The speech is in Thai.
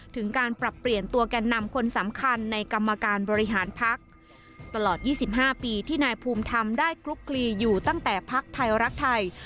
ถึงการปรับเปลี่ยนตัวแก่นนำคนสำคัญในกรรมการบริหารพักตลอด๒๕ปีที่นายภูมิธรรมได้คลุกคลีอยู่ตั้งแต่พักไทยรักไทย